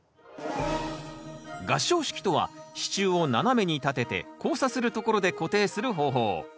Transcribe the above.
合掌式とは支柱を斜めに立てて交差するところで固定する方法。